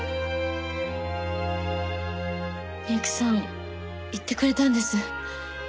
美由紀さん言ってくれたんです。